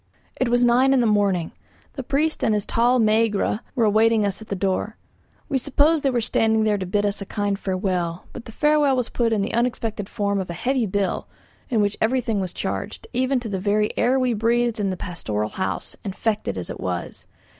It was nine in the morning. The priest and his tall Megæra were awaiting us at the door. We supposed they were standing there to bid us a kind farewell. But the farewell was put in the unexpected form of a heavy bill, in which everything was charged, even to the very air we breathed in the pastoral house, infected as it was.